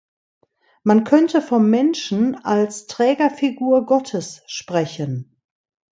Man könnte vom Menschen als Trägerfigur Gottes sprechen.